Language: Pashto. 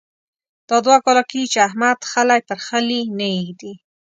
دا دوه کاله کېږې چې احمد خلی پر خلي نه اېږدي.